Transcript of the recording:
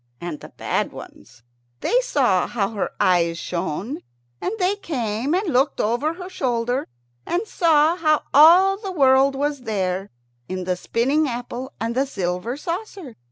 And the bad ones, they saw how her eyes shone, and they came and looked over her shoulder, and saw how all the world was there, in the spinning apple and the silver saucer.